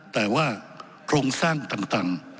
แต่ว่าโครงสร้างต่าง